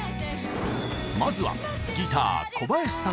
まずはギター小林さんから。